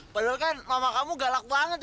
padahal kan mama kamu galak banget